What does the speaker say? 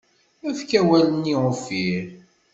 Efk awal-nni uffir.